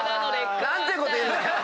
何てこと言うんだよ！